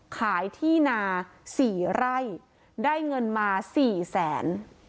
ขายที่นา๔ไร่ได้เงินมา๔แสน